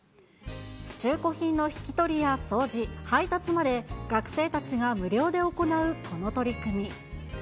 中古品の引き取りや掃除、配達まで学生たちが無料で行うこの取り組み。